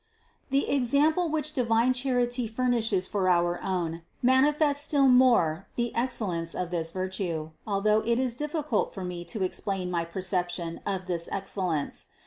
519. The example which divine Charity furnishes for our own, manifests still more the excellence of this vir tue, although it is difficult for me to explain my percep tion of this excellence.